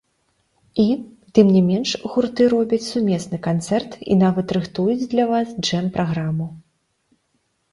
І, тым не менш, гурты робяць сумесны канцэрт і нават рыхтуюць для вас джэм-праграму.